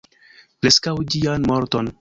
Preskaŭ ĝian morton.